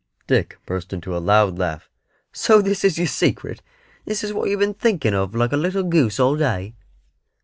Dick burst into a loud laugh. "So this is your secret; this is what you've been thinking of like a little goose all day."